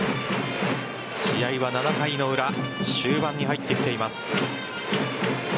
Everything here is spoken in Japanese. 試合は７回の裏終盤に入ってきています。